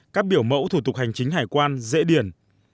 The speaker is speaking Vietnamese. các biểu mẫu thủ tục hành chính hải quan dễ điền